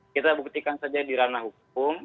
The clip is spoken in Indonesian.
kita buktikan saja di ranah hukum